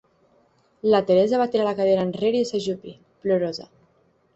La Teresa va tirar la cadira enrere i s'ajupí, plorosa.